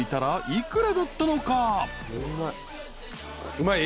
うまい。